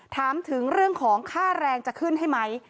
ถามถึงเรื่องของค่าแรงจะขึ้นให้ไหม